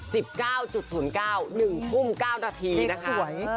สิบเก้าจุดศูนย์เก้าหนึ่งทุ่มเก้านาทีนะคะสวย